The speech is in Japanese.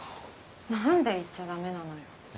何で言っちゃダメなのよ。